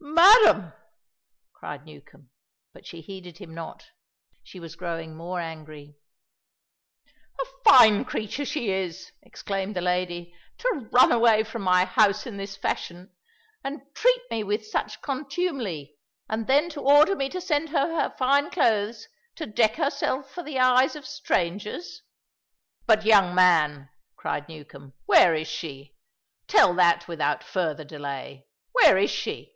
"Madam!" cried Newcombe, but she heeded him not; she was growing more angry. "A fine creature she is," exclaimed the lady, "to run away from my house in this fashion, and treat me with such contumely, and then to order me to send her her fine clothes to deck herself for the eyes of strangers!" "But, young man," cried Newcombe, "where is she? Tell that without further delay. Where is she?"